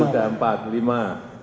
sudah empat lima